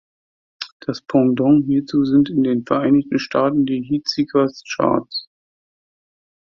Das Pendant hierzu sind in den Vereinigten Staaten die Heatseekers Charts.